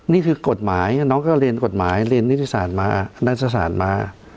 นี่คือกฎหมายเค้าเรียนกฎหมายเรียนนิทธิสารมา